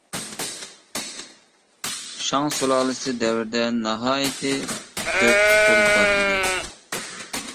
شاڭ سۇلالىسى دەۋرىدە ناھايىتى كۆپ قۇل بار ئىدى.